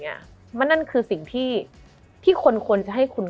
มันทำให้ชีวิตผู้มันไปไม่รอด